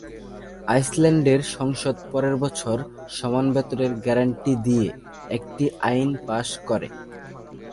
আইসল্যান্ডের সংসদ পরের বছর সমান বেতনের গ্যারান্টি দিয়ে একটি আইন পাস করে।